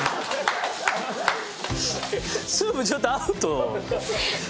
スープちょっとアウト。